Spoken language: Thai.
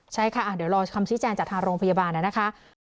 ใช่ค่ะเดี๋ยวรอคำชี้แจงจากทางโรงพยาบาลนะคะ